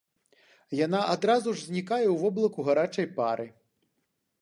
Яна адразу ж знікае ў воблаку гарачай пары.